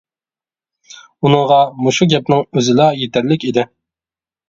ئۇنىڭغا مۇشۇ گەپنىڭ ئۆزىلا يېتەرلىك ئىدى.